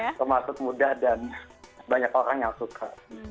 nah termasuk mudah dan banyak orang yang suka